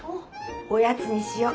おやつにしよう。